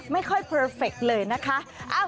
ไม่ค่อยเพอร์เฟคเลยนะคะ